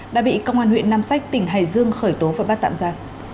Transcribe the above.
đã bị công an huyện nam sách tỉnh hải dương khởi tố và bắt tạm ra